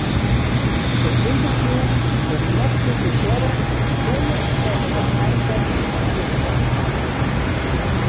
It ynterview wurdt net publisearre sonder dat er de eintekst goedkard hat.